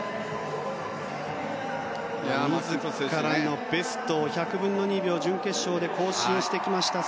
自らのベストを１００分の２秒準決勝で更新してきました。